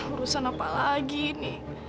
urusan apa lagi ini